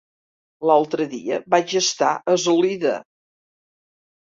L'altre dia vaig estar a Eslida.